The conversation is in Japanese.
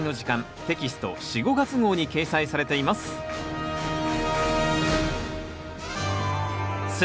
テキスト４・５月号に掲載されています選